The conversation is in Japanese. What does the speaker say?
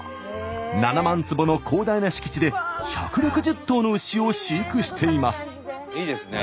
７万坪の広大な敷地で１６０頭の牛を飼育しています。